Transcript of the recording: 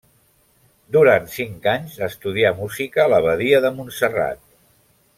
Durant cinc anys estudià música a l'abadia de Montserrat.